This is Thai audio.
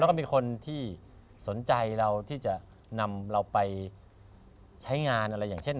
แล้วก็มีคนที่สนใจเราที่จะนำเราไปใช้งานอะไรอย่างเช่น